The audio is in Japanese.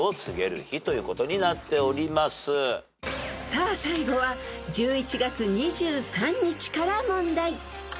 ［さあ最後は１１月２３日から問題］